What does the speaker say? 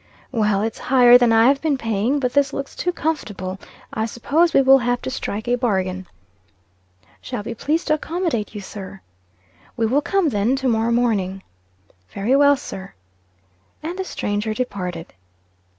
"Well, it's higher than I've been paying, but this looks too comfortable. I suppose we will have to strike a bargain." "Shall be pleased to accommodate you, sir." "We will come, then, to morrow morning." "Very well, sir." And the stranger departed.